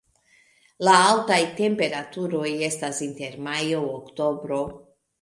La altaj temperaturoj estas inter majo-oktobro.